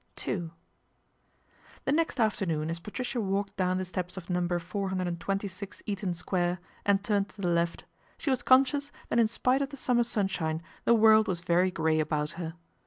n The next afternoon as Patricia walked down the steps of Number 426 Eaton Square and turned to the left, she was conscious that in spite of the summer sunshine the world was very grey about her.